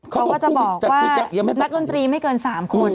เขาก็จะบอกว่านักดนตรีไม่เกิน๓คน